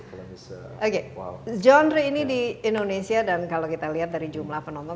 oke genre ini di indonesia dan kalau kita lihat dari jumlah penonton